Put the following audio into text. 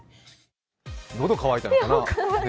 喉渇いたのかな。